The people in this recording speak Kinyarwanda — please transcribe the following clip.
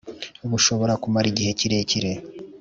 bushobora kumara igihe kirekire